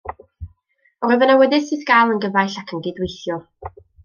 Yr wyf yn awyddus i'th gael yn gyfaill ac yn gydweithiwr.